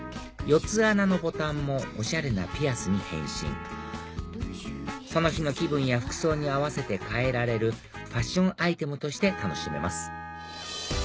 ４つ穴のボタンもおしゃれなピアスに変身その日の気分や服装に合わせて変えられるファッションアイテムとして楽しめます